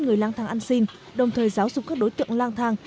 người lang thang ăn xin đồng thời giáo dục các đối tượng lang thang